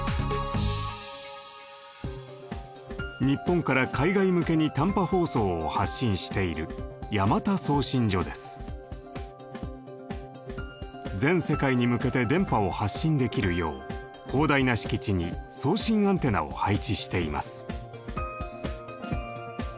日本から海外向けに短波放送を発信している全世界に向けて電波を発信できるよう広大な敷地に送信アンテナを配置しています。